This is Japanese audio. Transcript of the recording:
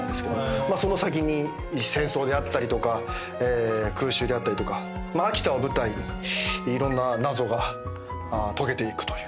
その先に戦争であったりとか空襲であったりとか秋田を舞台にいろんな謎が解けていくという。